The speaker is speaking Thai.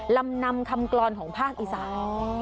ลำนำคำกรอนของภาคอีสาน